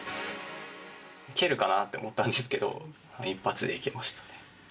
蹴るかなって思ったんですけど、一発でいけましたね。